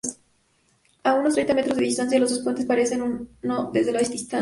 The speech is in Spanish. A unos treinta metros de distancia, los dos puentes parecen uno desde la distancia.